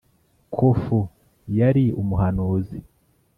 Kofu yari umuhanuzi